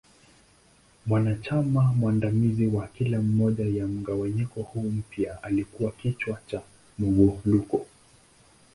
Mwanachama mwandamizi wa kila moja ya mgawanyiko huu mpya alikua kichwa cha Muwuluko.